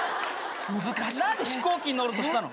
何で飛行機に乗ろうとしたの？